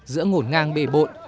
giữa ngổn ngang bề bộn